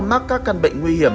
mắc các căn bệnh nguy hiểm